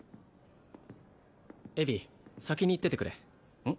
エヴィ先に行っててくれうん？